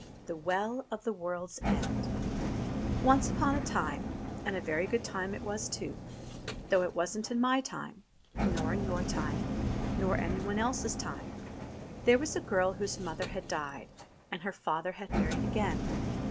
THE WELL OF THE WORLD'S END ONCE Upon a time, and a very good time it was, though it wasn't in my time, nor in your time, nor anyone else's time, there was a girl whose mother had died, and her father had married again.